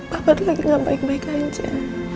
kabar lagi gak baik baik aja